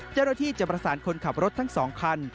เจ้าหน้าที่จะประสานคนขับรถทั้ง๒คัน